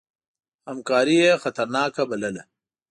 همکاري یې خطرناکه بلله.